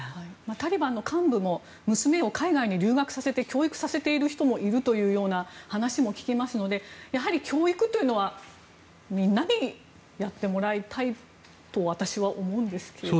タリバン幹部も娘を海外に留学させて教育させている人もいるというような話も聞きますので教育というのはみんなにやってもらいたいと私は思うんですけれども。